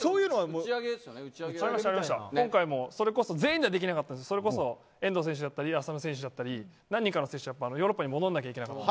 今回も、それこそ全員ではできなかったんですが遠藤選手だったり浅野選手だったり何人かの選手はヨーロッパに戻らないといけなかった。